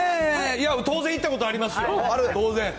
当然行ったことがあります、当然。